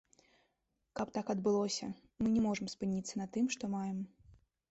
Каб так адбылося, мы не можам спыніцца на тым, што маем.